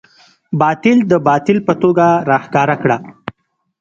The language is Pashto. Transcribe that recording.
باطل د باطل په توګه راښکاره کړه.